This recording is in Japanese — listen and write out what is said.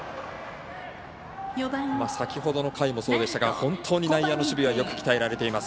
先ほどの回もそうでしたが本当に内野の守備はよく鍛えられています。